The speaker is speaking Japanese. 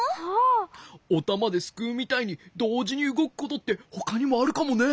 おたまですくうみたいにどうじにうごくことってほかにもあるかもね。